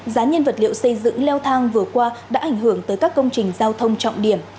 giá nhân vật liệu xây dựng leo thang vừa qua đã ảnh hưởng tới các công trình giao thông trọng điểm